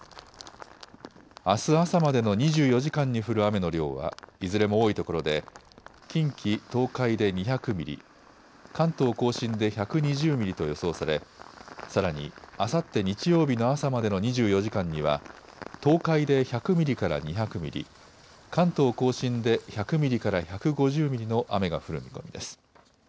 あす朝までの２４時間に降る雨の量はいずれも多いところで近畿、東海で２００ミリ、関東甲信で１２０ミリと予想されさらにあさって日曜日の朝までの２４時間には東海で１００ミリから２００ミリ、関東甲信で１００ミリから１５０ミリの雨が降る見込みです。